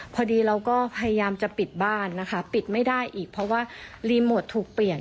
พอดีเราก็พยายามจะปิดบ้านนะคะปิดไม่ได้อีกเพราะว่ารีโมทถูกเปลี่ยน